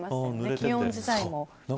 気温自体も。